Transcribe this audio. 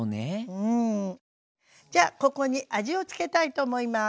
じゃここに味を付けたいと思います。